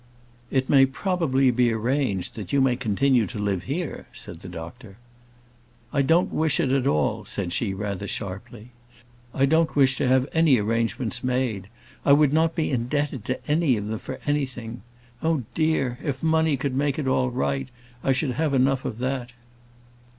"It may probably be arranged that you may continue to live here," said the doctor. "I don't wish it at all," said she, rather sharply. "I don't wish to have any arrangements made. I would not be indebted to any of them for anything. Oh, dear! if money could make it all right, I should have enough of that."